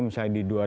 misalnya di dua ribu